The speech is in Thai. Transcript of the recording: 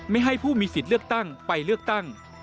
ให้ผู้มีสิทธิ์เลือกตั้งไปเลือกตั้ง